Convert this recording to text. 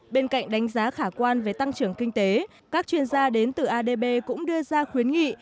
bên cạnh đánh giá khả quan về tăng trưởng kinh tế các chuyên gia đến từ adb cũng đưa ra khuyến nghị